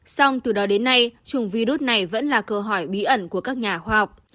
xong từ đó đến nay chủng virus này vẫn là cơ hỏi bí ẩn của các nhà khoa học